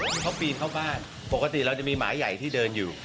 คือเขาปีนเข้าบ้านปกติเราจะมีหมาใหญ่ที่เดินอยู่